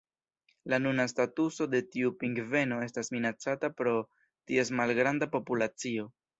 La nuna statuso de tiu pingveno estas minacata pro ties malgranda populacio.